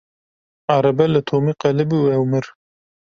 Erebe li Tomî qelibî û ew mir.